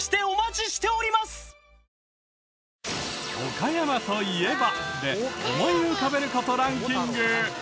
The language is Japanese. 「岡山と言えば？」で思い浮かべる事ランキング。